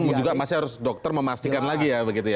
itu juga masih harus dokter memastikan lagi ya begitu ya